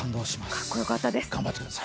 かっこよかったです。